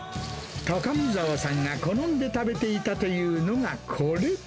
高見沢さんが好んで食べていたというのがこれ。